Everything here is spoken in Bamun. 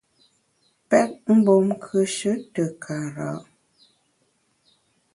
Pèt mgbom nkùeshe te kara’ !